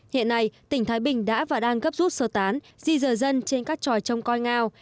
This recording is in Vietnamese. hiện nay tỉnh thái bình đã và đang gấp rút sơ tán di rời dân trên các tròi trông coi ngao